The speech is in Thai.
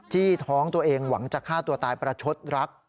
จี้ท้องตัวเองหวังจะฆ่าตัวตายประชดรัก